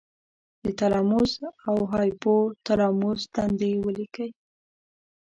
د تلاموس او هایپو تلاموس دندې ولیکئ.